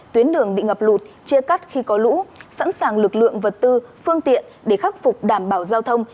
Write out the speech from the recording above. tuyến đường bị ngập lụt chia cắt khi có lũ sẵn sàng lực lượng vật tư phương tiện để khắc phục đảm bảo giao thông